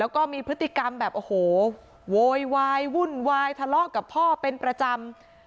แล้วก็มีพฤติกรรมแบบโอ้โหโวยวายวุ่นวายทะเลาะกับพ่อเป็นประจำ